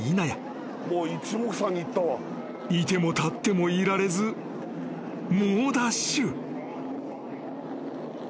［居ても立ってもいられず猛ダッシュ］